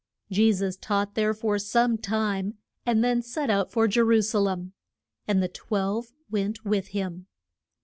Je sus taught there for some time, and then set out for Je ru sa lem. And the twelve went with him.